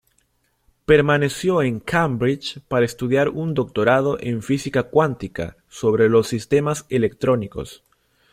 Permaneció en Cambridge para estudiar un doctorado en física cuántica sobre los sistemas electrónicos.